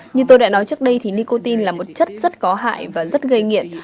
như tôi đã nói trước đây thì nicotin là một chất rất có hại và rất gây nghiện